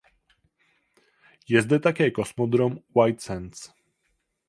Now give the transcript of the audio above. Je zde také kosmodrom u White Sands.